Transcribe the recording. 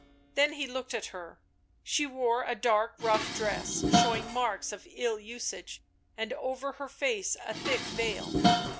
Then he looked at her. She wore a dark rough dress showing marks of ill usage, and over her face a thick veil.